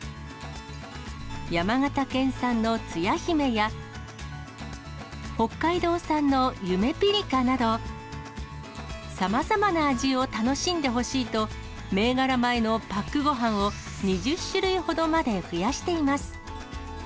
山形県産のつや姫や、北海道産のゆめぴりかなど、さまざまな味を楽しんでほしいと、銘柄米のパックごはんを２０種類ほどまで増やしています。